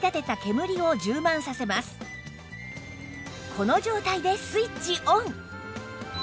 この状態でスイッチオン